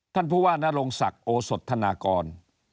ท่านผู้ว่านรงศักดิ์โอสธนากร